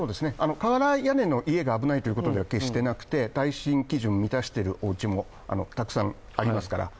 瓦屋根の家が危ないということでは決してなくて耐震基準を満たしているお家もたくさんありますから。